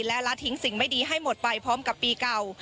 และละทิ้งสิ่งไม่ดีให้หมดไปพร้อมกับปีเก่า